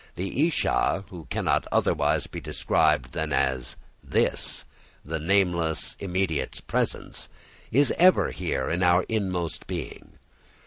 The eshah, who cannot otherwise be described than as This, the nameless immediate presence, is ever here in our innermost being.